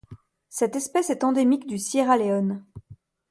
Cette espèce est endémique du Sierra Leone.